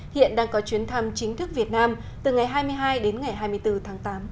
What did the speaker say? hiện đang có chuyến thăm chính thức việt nam từ ngày hai mươi hai đến ngày hai mươi bốn tháng tám